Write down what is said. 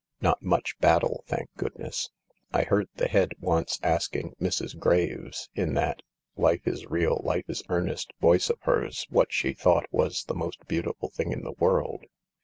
Not much battle, thank goodness ! I heard the Head once asking Miss Graves, in that 'life is real, life is earnest ' voice of hers, what she thought was the most beauti ful thing in the world.